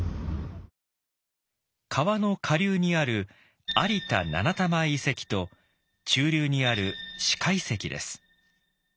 川の下流にある有田七田前遺跡と中流にある四箇遺跡です。